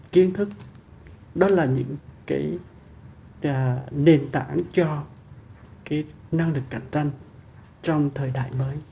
kiến thức đó là những nền tảng cho năng lực cạnh tranh trong thời đại mới